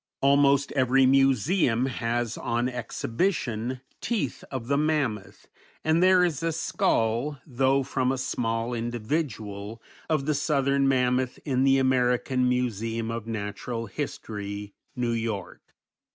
_ _Almost every museum has on exhibition teeth of the mammoth, and there is a skull, though from a small individual, of the Southern Mammoth in the American Museum of Natural History, New York.